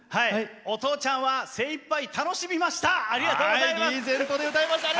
お父ちゃんは精いっぱい楽しみました！